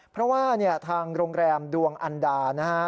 เพราะว่าทางโรงแรมดวงอันดานะฮะ